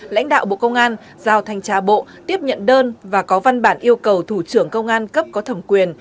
lãnh đạo bộ công an giao thanh tra bộ tiếp nhận đơn và có văn bản yêu cầu thủ trưởng công an cấp có thẩm quyền